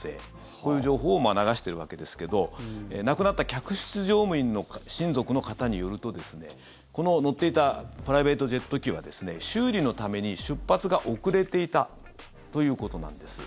こういう情報を流しているわけですけど亡くなった客室乗務員の親族の方によるとこの乗っていたプライベートジェット機は修理のために、出発が遅れていたということなんです。